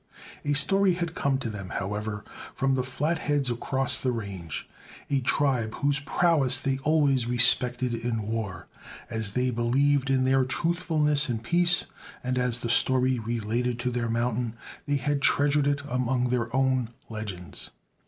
A story had come to them, however, from the Flatheads across the range a tribe whose prowess they always respected in war, as they believed in their truthfulness in peace and as the story related to their mountain, they had treasured it among their own legends.